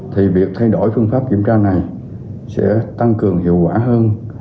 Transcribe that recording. thì việc thay đổi phương pháp kiểm tra này sẽ tăng cường hiệu quả hơn